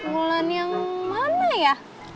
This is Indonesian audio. wulan yang mana ya